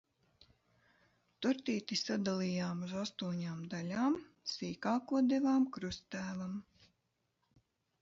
Tortīti sadalījām uz astoņām daļām, sīkāko devām kruttēvam.